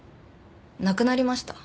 亡くなりました。